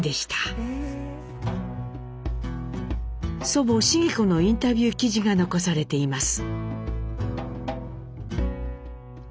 祖母繁子のインタビュー記事が残されています。